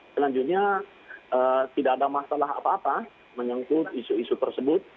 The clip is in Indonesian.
selanjutnya tidak ada masalah apa apa menyangkut isu isu tersebut